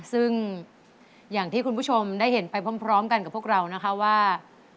ซึ่งอย่างที่คุณผู้ชมได้เห็นไปพร้อมกันกับพวกเรานะคะว่า